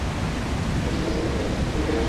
তুমি ঠিক আছো, ক্যাপ্টেন হুইটেকার?